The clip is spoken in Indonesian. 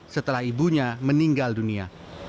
setelah ibunya meninggal dunia